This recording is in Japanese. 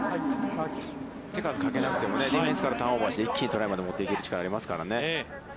手数をかけなくても、ディフェンスからターンオーバーをして、一気にトライまで持っていける力がありますからね。